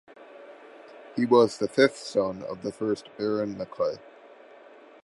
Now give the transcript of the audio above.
He was the fifth son of the first Baron Maclay.